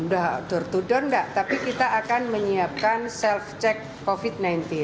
udah door to door nggak tapi kita akan menyiapkan self check covid sembilan belas